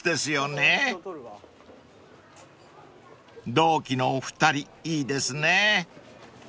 ［同期のお二人いいですね］